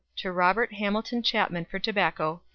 to Robert Hamilton Chapman for Tobacco 0.